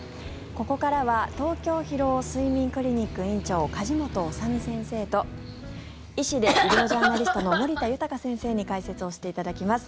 ここからは東京疲労・睡眠クリニック院長梶本修身先生と医師で医療ジャーナリストの森田豊先生に解説をしていただきます。